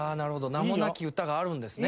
『名もなき詩』があるんですね。